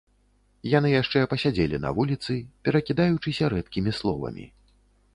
Яны яшчэ пасядзелі на вуліцы, перакідаючыся рэдкімі словамі.